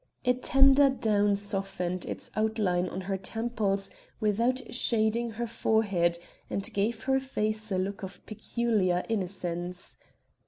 A tender down softened its outline on her temples without shading her forehead, and gave her face a look of peculiar innocence.